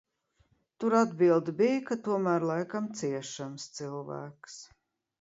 Tur atbilde bija, ka tomēr laikam ciešams cilvēks.